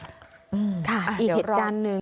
อีกเหตุการณ์นึง